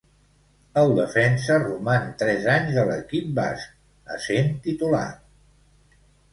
El defensa roman tres anys a l'equip basc, essent titular.